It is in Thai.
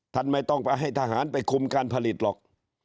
ท่านไม่ต้องไปให้ทหารไปคุมการผลิตหรอก